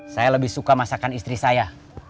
saya lebih suka masakan istri saya